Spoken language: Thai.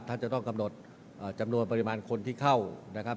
ท่านจะต้องกำหนดจำนวนปริมาณคนที่เข้านะครับ